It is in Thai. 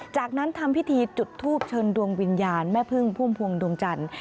จากนั้นทำพิธีจุดทูปเชิญดวงวิญญาณแม่พึ่งพุ่มพวงดวงจันทร์